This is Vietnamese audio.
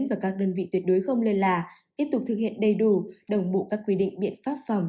và các đơn vị tuyệt đối không lơ là tiếp tục thực hiện đầy đủ đồng bộ các quy định biện pháp phòng